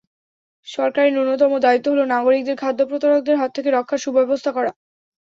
সরকারের ন্যূনতম দায়িত্ব হলো নাগরিকদের খাদ্যপ্রতারকদের হাত থেকে রক্ষার সুব্যবস্থা করা।